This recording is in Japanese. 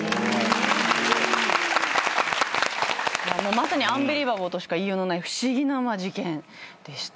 まさにアンビリバボーとしか言いようのない不思議な事件でした。